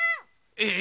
え！